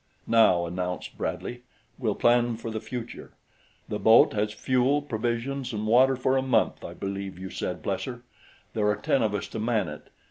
"Now," announced Bradley, "we'll plan for the future. The boat has fuel, provisions and water for a month, I believe you said, Plesser; there are ten of us to man it.